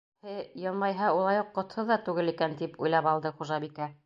Һе, йылмайһа улай уҡ ҡотһоҙ ҙа түгел икән, тип уйлап алды хужабикә.